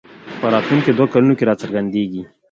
په راتلونکو دوو کلونو کې راڅرګندېږي